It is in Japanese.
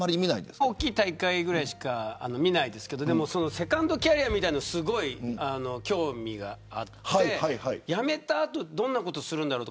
大きい大会ぐらいしか見ませんけどセカンドキャリアみたいなのにすごい興味があって辞めた後にどんなことをするんだろう。